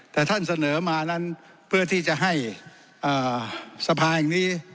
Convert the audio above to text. แต่ท่านเสนอมานั้นเพื่อที่จะให้สภาแห่งนี้